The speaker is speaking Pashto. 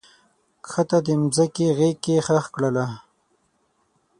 کښته د مځکې غیږ کې ښخ کړله